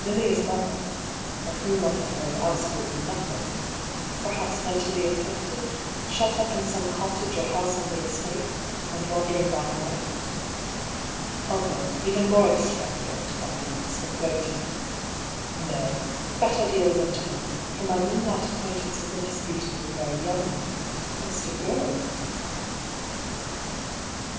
Lilia's mother — of whom I had heard absolutely nothing — perhaps mentally afflicted, shut up in some cottage or house on the estate, and wandering by night ? Other even more extravagant ideas occurred to me. No ! that idea was untenable, for my moonlight acquaintance was indisputably a very young woman, almost a girl.